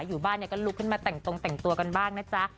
อยู่บ้านเนี่ยก็ลุกขึ้นมาแต่งตรงแต่งตัวกันบ้างนะจ๊ะ